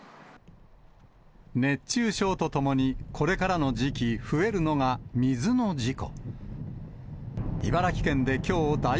熱中症とともに、これからの時期、増えるのが、水の事故。